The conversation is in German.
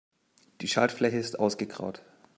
Die Schaltfläche ist ausgegraut.